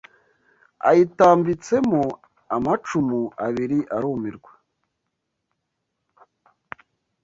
Ayitambitsemo amacumu abiri arumirwa